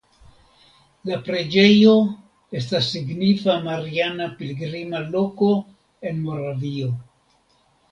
La preĝejo estas signifa mariana pilgrima loko en Moravio.